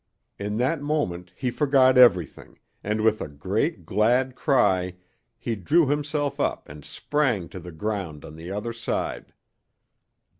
In that moment he forgot everything, and with a great, glad cry he drew himself up and sprang to the ground on the other side.